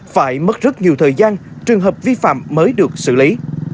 phải mất rất nhiều thời gian trường hợp vi phạm mới được xử lý